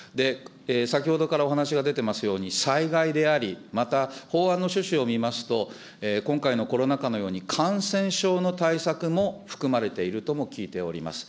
先ほどからお話が出てますように、災害であり、また法案の趣旨を見ますと、今回のコロナ禍のように感染症の対策も含まれているとも聞いております。